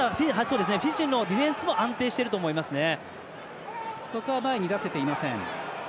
フィジーのディフェンスも安定していると思いますね。